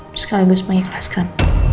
terus kalian harus mengikhlaskan